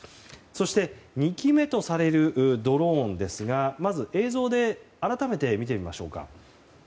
そして２機目とされるドローンですがまず映像で改めて見てみましょうか。